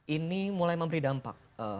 ini mulai memberi dampak